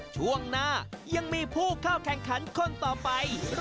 สวัสดีค่ะ